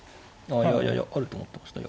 あいやいやいやあると思ってました。